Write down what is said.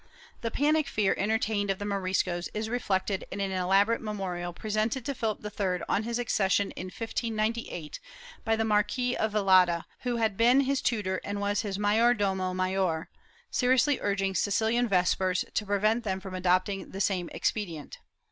^ The panic fear entertained of the Moriscos is reflected in an elaborate memorial presented to Philip III, on his accession in 1598, by the Marquis of Velada, who had been his tutor and was his mayordomo mayor, seriously urging Sicihan Vespers to pre vent them from adopting the same expedient.